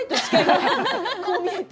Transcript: こう見えて。